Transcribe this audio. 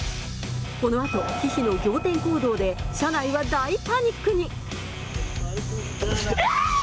このあと、ヒヒの仰天行動で、車内は大パニックに。